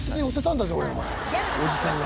おじさんが。